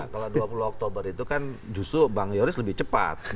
kalau dua puluh oktober itu kan justru bang yoris lebih cepat